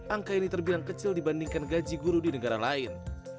angka ini terbilang kecil dibandingkan gaji guru di negara lain